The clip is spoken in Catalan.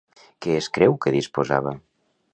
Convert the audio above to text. Què es creu que disposava?